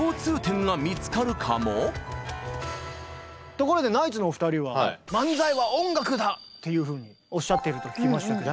ところでナイツのお二人はっていうふうにおっしゃってると聞きましたけど。